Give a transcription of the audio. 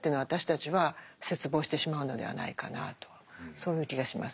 そういう気がします。